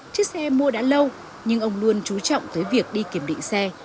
chiếc xe mua đã lâu nhưng ông luôn trú trọng tới việc đi kiểm định xe